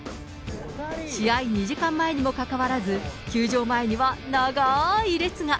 試合２時間前にもかかわらず、球場前には長ーい列が。